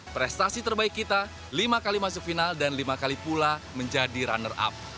prestasi terbaik kita lima kali masuk final dan lima kali pula menjadi runner up